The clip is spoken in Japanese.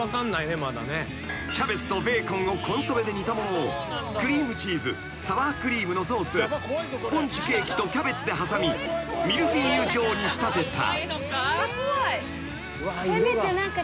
［キャベツとベーコンをコンソメで煮たものをクリームチーズサワークリームのソーススポンジケーキとキャベツで挟みミルフィーユ状に仕立てた］